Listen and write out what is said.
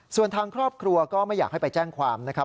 ส่วนทางครอบครัวก็ไม่อยากให้ไปแจ้งความนะครับ